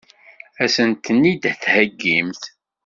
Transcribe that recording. Ad sen-ten-id-theggimt?